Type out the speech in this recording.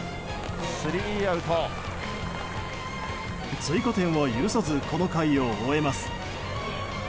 追加点は許さずこの回を追えます。